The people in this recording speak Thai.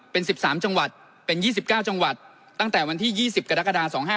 เป็น๑๓จังหวัดเป็น๒๙จังหวัดตั้งแต่วันที่๒๐กรกฎา๒๕๖